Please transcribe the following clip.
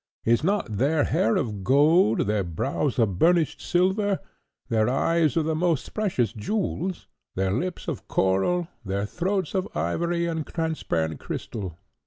Is not their hair of gold, their brows of burnished silver, their eyes of the most precious jewels, their lips of coral, their throats of ivory and transparent crystal?